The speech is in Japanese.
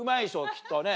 きっとね。